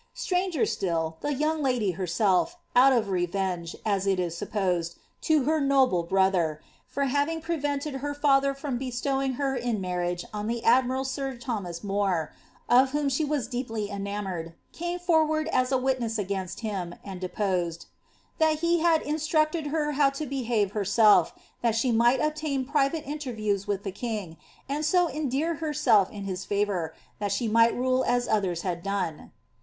Stranger still, tfas young lady herself, out of revenge, as it is supposed, to her noble bro ther, for having prevented her father from bestowing her in marriage oi the admiral sir Thomas Seymour, of whom she was deeply enamoured, flame forward as a witness against him, and deposed, ^ that he had in structed her how to behave herself, that she might obtain private inter* views with the king, and so endear herself in his iavour, that she mifht rule as others had done.''